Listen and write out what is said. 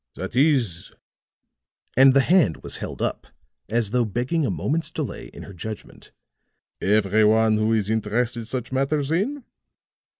That is," and the hand was held up as though begging a moment's delay in her judgment, "every one who is interested such matters in."